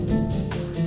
dan menjaga diri kamu